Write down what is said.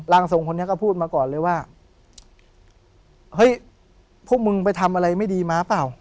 ทรงคนนี้ก็พูดมาก่อนเลยว่าเฮ้ยพวกมึงไปทำอะไรไม่ดีมาเปล่า